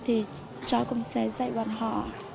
thì cháu cũng sẽ dạy bọn họ